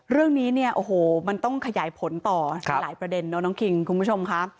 เรื่องนี้เนี่ยโอ้โหมันต้องขยายผลต่อหลายประเด็นเนาะน้องคิงคุณผู้ชมค่ะ